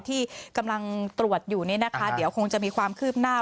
ที่กำลังตรวจอยู่นี่นะคะเดี๋ยวคงจะมีความคืบหน้า